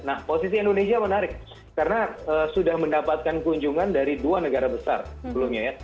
nah posisi indonesia menarik karena sudah mendapatkan kunjungan dari dua negara besar sebelumnya ya